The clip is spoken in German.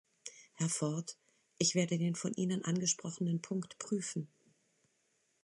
Herr Ford, ich werde den von Ihnen angesprochenen Punkt prüfen.